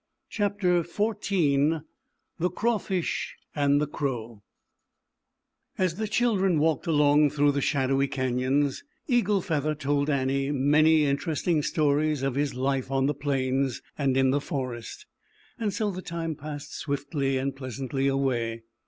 Chapter XIV The the Crow THE children walked along through the shadowy canyons, Eagle Feather told Annie many interesting stories of his life on o the plains and in the forest, and so the time passed swiftl pleasantly away.